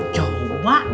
coba kalau dari dulu